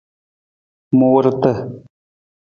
Muurata.